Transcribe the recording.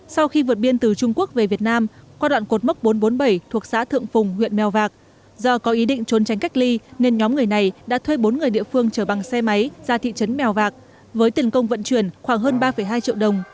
sau khi vượt biên từ trung quốc về việt nam qua đoạn cột mốc bốn trăm bốn mươi bảy thuộc xã thượng phùng huyện mèo vạc do có ý định trốn tránh cách ly nên nhóm người này đã thuê bốn người địa phương chở bằng xe máy ra thị trấn mèo vạc với tiền công vận chuyển khoảng hơn ba hai triệu đồng